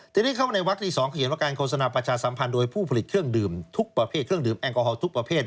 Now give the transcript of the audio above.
ทีนี้เข้าในวักที่สองเขียนว่าการโฆษณาประชาสัมพันธ์โดยผู้ผลิตเครื่องดื่มทุกประเภท